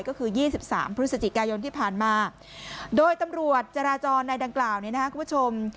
ก็คือ๒๓พฤศจิกายนที่ผ่านมาโดยตำรวจจราจรในดังกล่าวเนี่ยนะครับคุณผู้ชม